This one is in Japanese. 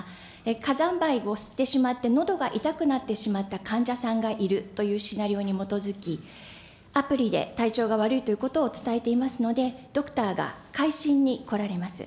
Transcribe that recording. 火山灰を吸ってしまってのどが痛くなってしまった患者さんがいる、というシナリオに基づき、アプリで体調が悪いということを伝えていますので、ドクターが回診に来られます。